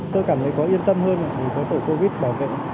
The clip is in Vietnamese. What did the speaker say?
tôi cảm thấy có yên tâm hơn vì có tội covid bảo vệ